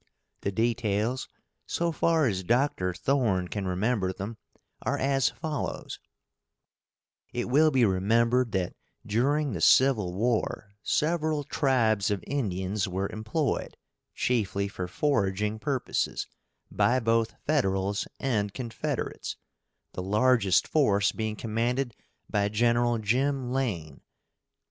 The details, so far as Dr. Thorne can remember them, are as follows: It will be remembered that during the civil war several tribes of Indians were employed, chiefly for foraging purposes, by both Federals and Confederates, the largest force being commanded by Gen. Jim Lane.